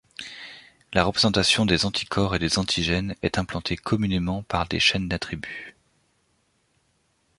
La représentation des anticorps et des antigènes est implantée communément par des chaînes d'attributs.